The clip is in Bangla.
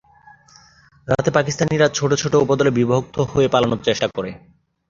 রাতে পাকিস্তানিরা ছোট ছোট উপদলে বিভক্ত হয়ে পালানোর চেষ্টা করে।